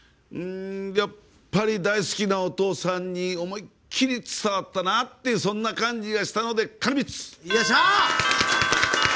やっぱり大好きなお父さんに思いっきり伝わったなっていうそんな感じがしたので鐘３つ！